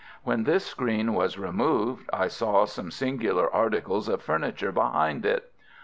When this screen was removed I saw some singular articles of furniture behind it.